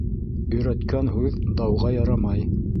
Өйрәткән һүҙ дауға ярамай.